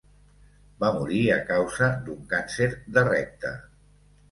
Va morir a causa d'un càncer de recte.